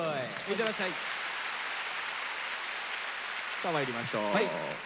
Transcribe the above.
さあまいりましょう。